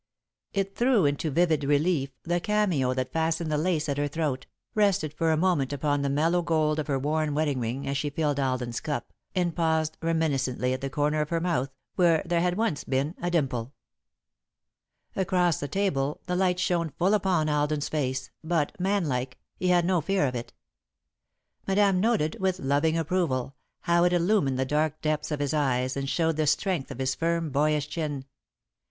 It threw into vivid relief the cameo that fastened the lace at her throat, rested for a moment upon the mellow gold of her worn wedding ring as she filled Alden's cup, and paused reminiscently at the corner of her mouth, where there had once been a dimple. [Sidenote: Tales of a Mirror] Across the table, the light shone full upon Alden's face, but, man like, he had no fear of it. Madame noted, with loving approval, how it illumined the dark depths of his eyes and showed the strength of his firm, boyish chin.